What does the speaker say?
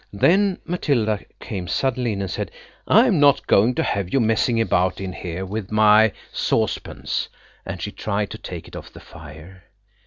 Then Matilda came suddenly in and said, "I'm not going to have you messing about in here with my saucepans"; and she tried to take it off the fire.